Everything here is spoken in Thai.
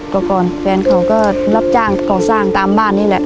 ก็ก่อนแฟนเขาก็รับจ้างก่อสร้างตามบ้านนี่แหละ